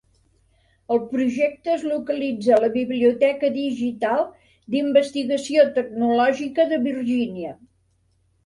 El projecte es localitza a la Biblioteca Digital d'Investigació tecnològica de Virgínia.